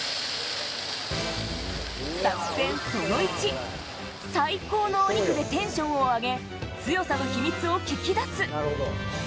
作戦その１、最高のお肉でテンションを上げ、強さの秘密を聞き出す！